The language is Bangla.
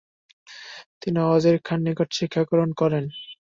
তিনি ওয়জির খাঁর নিকট শিক্ষাগ্রহণ করেন।